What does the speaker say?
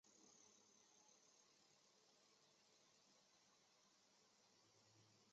使得空有名称而无内容的故事得以流传于世多年变成都市传说之一。